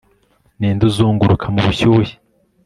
Ninde uzunguruka mu bushyuhe